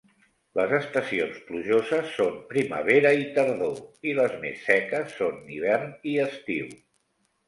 Les estacions plujoses són primavera i tardor, i les més seques són hivern i estiu.